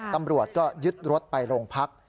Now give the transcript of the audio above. ตำรวจก็ยึดรถไปโรงพัก